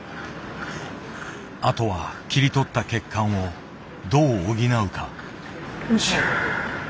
あとは切り取った血管をどう補うか。